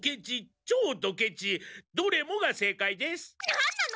なんなの？